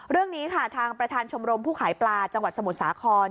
เรื่องนี้ค่ะทางประธานชมรมผู้ขายปลาจังหวัดสมุทรสาคร